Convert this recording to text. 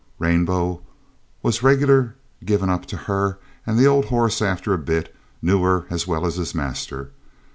Rainbow was regular given up to her, and the old horse after a bit knew her as well as his master.